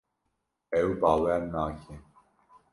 Ew bawer nake.